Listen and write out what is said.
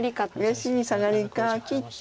激しいサガリか切って。